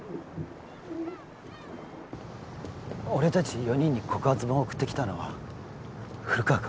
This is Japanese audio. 俺達四人に告発文を送ってきたのは古川君？